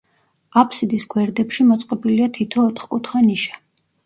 აფსიდის გვერდებში მოწყობილია თითო ოთხკუთხა ნიშა.